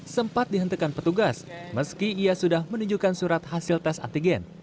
sempat dihentikan petugas meski ia sudah menunjukkan surat hasil tes antigen